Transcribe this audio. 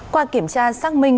qua kiểm tra xác minh